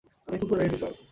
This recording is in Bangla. আমি কুকুর আনিনি স্যার।